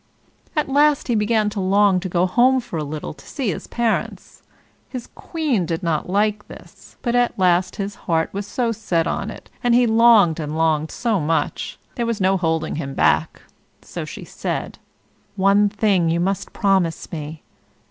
At last he began to long to go home for a little to see his parents. His Queen did not like this; but at last his heart was so set on it, and he longed and longed so much, there was no holding him back, so she said: "One thing you must promise me.